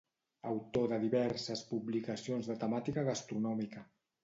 Autor de diverses publicacions de temàtica gastronòmica.